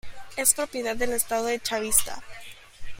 Es propiedad del Estado chavista.